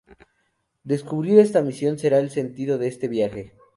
Descubrir esta misión será el sentido de este viaje.